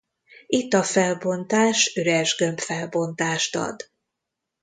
Itt a felbontás üresgömb-felbontást ad.